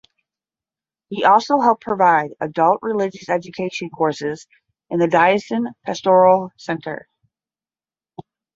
He also helped provide Adult Religious Education courses in the Diocesan Pastoral Centre.